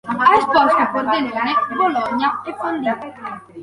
Ha esposto a Pordenone, Bologna e Forlì.